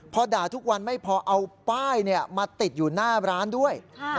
พอด่าทุกวันไม่พอเอาป้ายมาติดอยู่หน้าร้านด้วย